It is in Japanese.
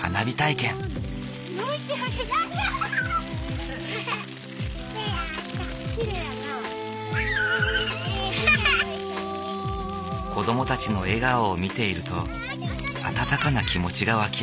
子どもたちの笑顔を見ていると温かな気持ちが湧き上がってくる。